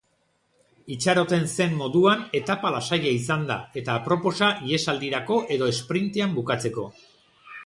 Itxaroten zen moduan etapa lasaia izan da eta aproposa ihesaldirako edo esprintean bukatzeko.